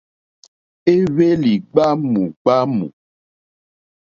Éhwélì ɡbwámù ɡbwámù.